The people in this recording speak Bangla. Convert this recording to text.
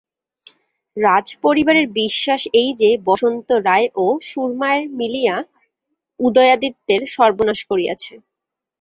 রাজপরিবারের বিশ্বাস এই যে, বসন্ত রায় ও সুরমায় মিলিয়া উদয়াদিত্যের সর্বনাশ করিয়াছে।